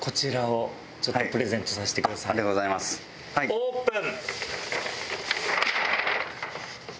オープン！